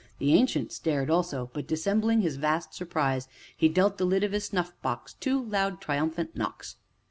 The Ancient stared also, but, dissembling his vast surprise, he dealt the lid of his snuffbox two loud, triumphant knocks.